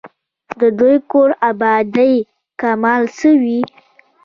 د دې کور آبادۍ کمال څه وو.